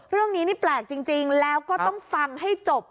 เรื่องนี้นี่แปลกจริงแล้วก็ต้องฟังให้จบ